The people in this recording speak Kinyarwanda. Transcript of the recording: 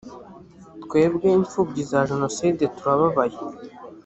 twebwe imfubyi za jenoside turababaye